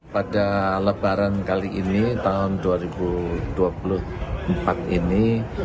pada lebaran kali ini tahun dua ribu dua puluh empat ini